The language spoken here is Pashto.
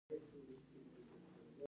د میوو سلاد یو صحي خواړه دي.